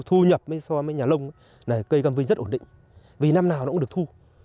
thu nhập so với nhà lông này cây cam vinh rất ổn định vì năm nào nó cũng được thu